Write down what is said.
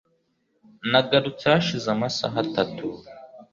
Nagarutse hashize amasaha atatu